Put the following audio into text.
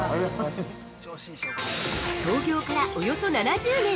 ◆創業からおよそ７０年！